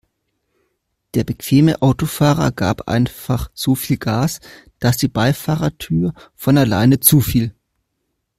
Der bequeme Autofahrer gab einfach so viel Gas, dass die Beifahrertür von alleine zufiel.